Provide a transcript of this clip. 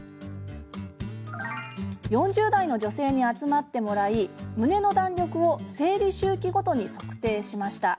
４０代の女性に集まってもらい胸の弾力を生理周期ごとに測定しました。